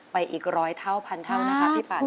ไปอีกร้อยเท่าพันเท่านะครับพี่ปัด